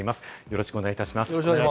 よろしくお願いします。